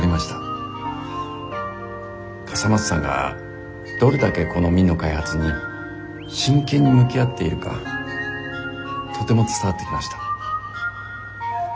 笠松さんがどれだけこの「Ｍｉｎ」の開発に真剣に向き合っているかとても伝わってきました。